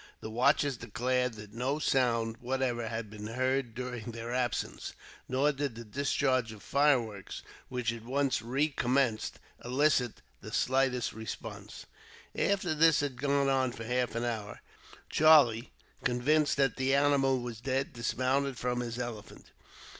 The watchers declared that no sound, whatever, had been heard during their absence; nor did the discharge of fireworks, which at once recommenced, elicit the slightest response. After this had gone on for half an hour, Charlie, convinced that the animal was dead, dismounted from his elephant.